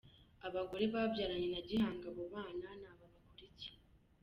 Abagore babyaranye na Gihanga abo bana ni aba bakurikira.